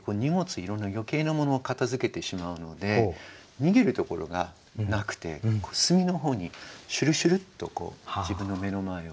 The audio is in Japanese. いろんな余計なもの片づけてしまうので逃げるところがなくて隅の方にしゅるしゅるっと自分の目の前を。